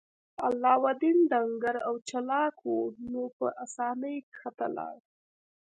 علاوالدین ډنګر او چلاک و نو په اسانۍ ښکته لاړ.